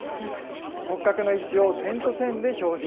骨格の位置を点と線で表示。